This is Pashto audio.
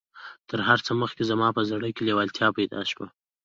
تر هر څه مخکې زما په زړه کې لېوالتيا پيدا شوه.